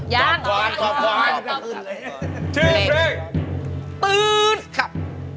จงตืดครับ